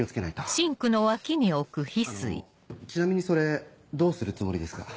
あのちなみにそれどうするつもりですか？